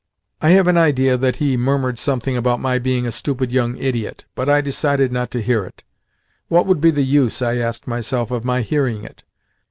I have an idea that he murmured something about my being "a stupid young idiot," but I decided not to hear it. What would be the use, I asked myself, of my hearing it?